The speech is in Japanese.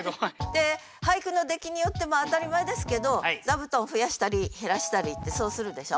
で俳句の出来によって当たり前ですけど座布団増やしたり減らしたりってそうするでしょ？